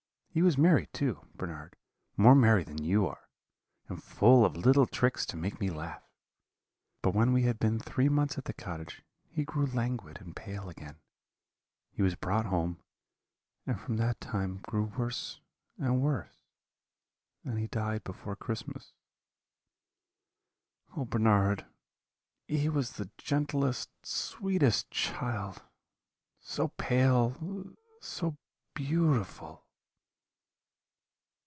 He was merry, too, Bernard, more merry than you are, and full of little tricks to make me laugh. But when we had been three months at the cottage he grew languid and pale again; he was brought home, and from that time grew worse and worse; and he died before Christmas. Oh, Bernard, he was the gentlest, sweetest child so pale! so beautiful!'